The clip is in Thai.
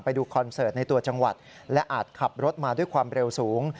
คอนเสิร์ตในตัวจังหวัดและอาจขับรถมาด้วยความเร็วสูง